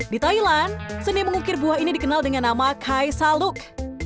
di thailand seni mengukir buah ini dikenal dengan nama kai saluk